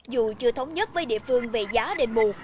dù chưa thống nhất với địa phương về giá đền bù